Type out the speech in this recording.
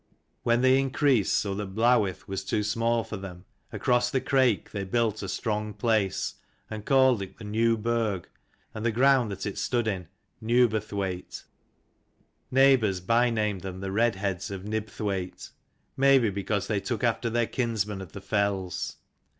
When they increased so that Blawith was too small for them, across the Crake they built a strong place, and called it the New Burg, and the ground that it stood in, Newburthwaite. Neighbours by named them the Redheads of Nibthwaite ; maybe because they took after their kinsmen of the fells.